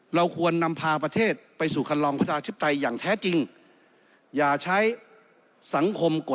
เราควรนำพาประเทศไปสู่คันลองประชาธิปไตยอย่างแท้จริง